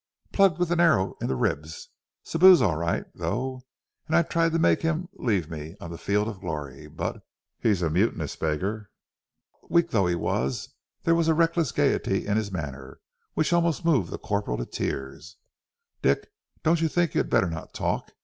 "Plugged ... with an arrow ... in the ribs. Sibou's all right, though. And I tried to make him ... leave me ... on the field of glory. B but he's a mutinous beggar." Weak though he was, there was a reckless gaiety in his manner, which almost moved the corporal to tears. "Dick, don't you think you had better not talk?